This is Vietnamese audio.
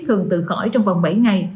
thường tự khỏi trong vòng bảy ngày